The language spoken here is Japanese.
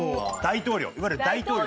大統領。